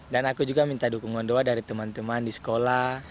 dan aku juga minta dukungan doa dari teman teman di sekolah